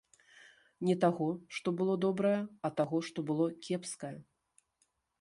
Не таго, што было добрае, а таго, што было кепскае.